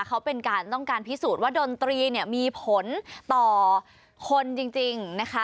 เขาเป็นการต้องการพิสูจน์ว่าดนตรีเนี่ยมีผลต่อคนจริงนะคะ